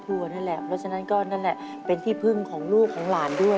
ที่สำคัญคือไทของสำเร็จ